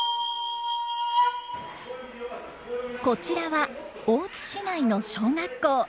こちらは大津市内の小学校。